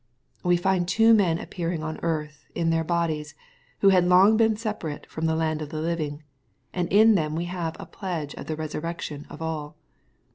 We find two men appearing on earth, in their bodies, who had long been separate from the land of the living — and in them we have a pledge of the resurrection of all.